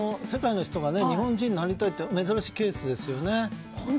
世界の人が日本人になりたいって珍しいケースですよね。